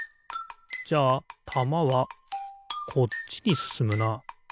じゃあたまはこっちにすすむな。